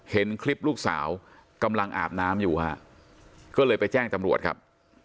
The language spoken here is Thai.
เห็นคลิปลูกสาวกำลังอาบน้ำอยู่ฮะก็เลยไปแจ้งตำรวจครับ